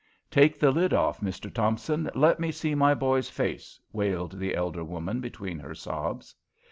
"Take the lid off, Mr. Thompson; let me see my boy's face," wailed the elder woman between her sobs.